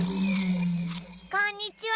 こんにちは。